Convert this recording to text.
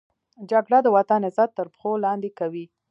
جګړه د وطن عزت تر پښو لاندې کوي